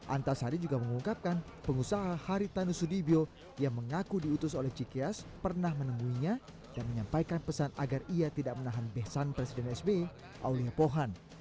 antasari juga mengungkapkan pengusaha haritano sudibyo yang mengaku diutus oleh cikyas pernah menemuinya dan menyampaikan pesan agar ia tidak menahan besan presiden sp aulingepohan